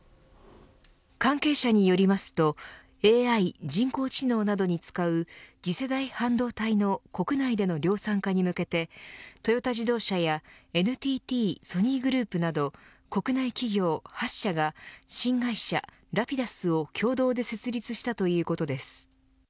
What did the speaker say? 関係者によりますとＡＩ、人工知能などに使う次世代半導体の国内での量産化に向けてトヨタ自動車やＮＴＴソニーグループなど国内企業８社が新会社Ｒａｐｉｄｕｓを共同で設立したということです。